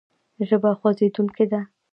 ژبه خوځېدونکې ده.